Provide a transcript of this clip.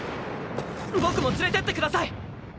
僕も連れてってください。